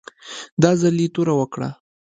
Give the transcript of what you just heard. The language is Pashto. دا ځل یې توره وکړه.